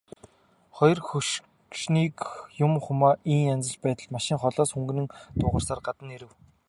Хоёр хөгшнийг юм хумаа ийн янзалж байтал машин холоос хүнгэнэн дуугарсаар гадна нь ирэв.